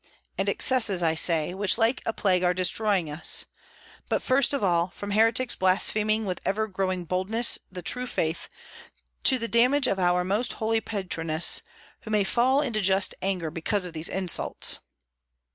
and excesses, I say, which like a plague are destroying us; but first of all, from heretics blaspheming with ever growing boldness the true faith, to the damage of our Most Holy Patroness, who may fall into just anger because of these insults."